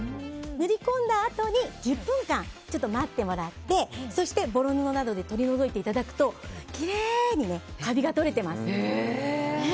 塗り込んだあとに１０分間待ってもらってそして、ぼろ布などで取り除いていただくときれいにカビが取れてます。